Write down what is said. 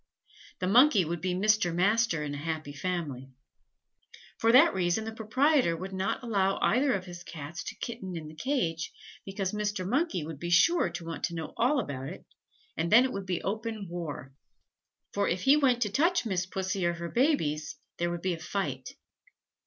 The Monkey would be Mr. Master in a happy family. For that reason the proprietor would not allow either of his Cats to kitten in the cage, because Mr. Monkey would be sure to want to know all about it, and then it would be open war, for if he went to touch Miss Pussy or her babies, there would be a fight.